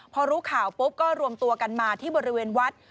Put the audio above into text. พอรู้ข่าวปุ๊บก็รวมตัวกันมาที่บริเวณวัด